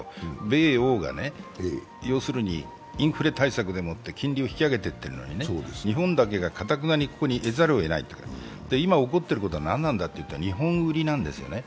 米欧が、インフレ対策でもって金利を引き上げていってるのに日本だけが頑なにここにいざるをえないというか、今起こっていることは何なんだというと、日本売りなんですよね。